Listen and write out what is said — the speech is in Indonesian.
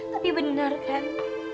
tapi benar kan